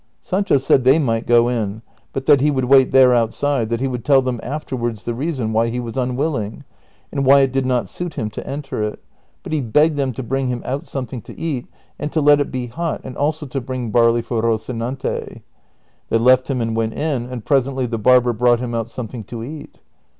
Sancho said they might go in, but that he would wait there outside, that he would tell them afterwards the reason why he was unwilling, and why it did not suit him to enter it ; but he CHAPTER XXVII. 211 begged them to bring him out something to eat, and to let it be hot, and also to bring barley for Roeinante. They left him and went in, and presently the barber brought him out something to eat.